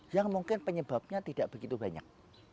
yang mungkin penyebabnya tidak begitu banyak